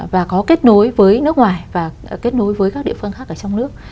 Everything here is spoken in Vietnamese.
và có kết nối với nước ngoài và kết nối với các địa phương khác ở trong nước